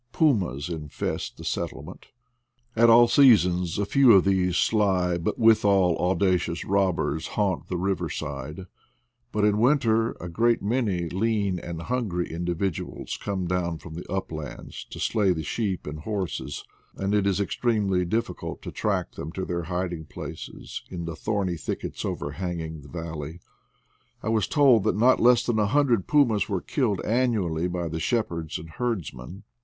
Pumas infest the settlement. At all seasons a ftivFlfif these sly but withal audacious robbers haunt the riverside ; but in winter a great many lean and hungry indi viduals come down from the uplands to slay the sheep and horses, and it is extremely difficult to track them to their hiding places in the thorny thickets overhanging the valley. I was told that not less than a hundred pumas were killed annu ally by the shepherds and herdsmen.